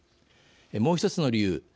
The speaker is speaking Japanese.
もう１つの理由。